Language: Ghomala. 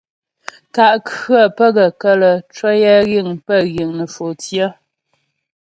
Kà' khə̌ pə́ gaə́ kələ ncwəyɛ yiŋ pə́ yiŋ nə̌fò tsyə.